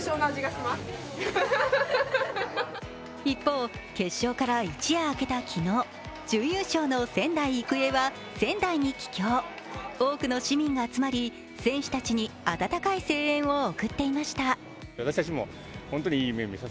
一方、決勝から一夜明けた昨日準優勝の仙台育英は仙台に帰郷、多くの市民が集まり選手たちに温かい声援を送っていました。